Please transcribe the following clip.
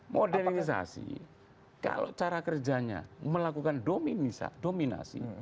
modernisasi kalau cara kerjanya melakukan dominasi